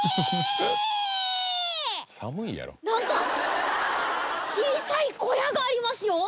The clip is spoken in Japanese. なんか小さい小屋がありますよ。